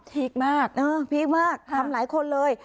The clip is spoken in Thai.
พีคมากเออพีคมากค่ะทำหลายคนเลย